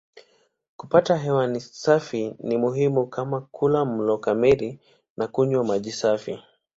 Kupata hewa safi ni muhimu kama kula mlo kamili na kunywa maji safi.